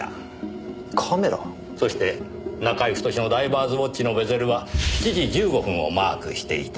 そして中居太のダイバーズウオッチのベゼルは７時１５分をマークしていた。